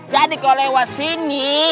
jadi kalau lewat sini